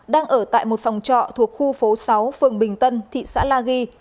đang ở tại một phòng trọ thuộc khu phố sáu phường bình tân thị xã la ghi